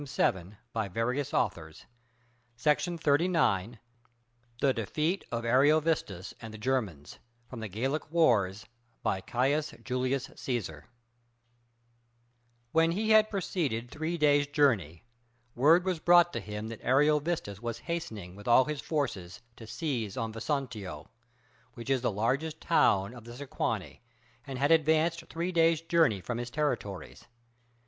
A. (Boston, 1893). [Illustration: Signature: J. H. Westcott] THE DEFEAT OF ARIOVISTUS AND THE GERMANS From 'The Gallic Wars' When he had proceeded three days' journey, word was brought to him that Ariovistus was hastening with all his forces to seize on Vesontio, which is the largest town of the Sequani, and had advanced three days' journey from his territories.